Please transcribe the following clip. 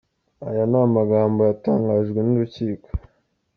Aya ni amagambo yatangajwe n’urukiko.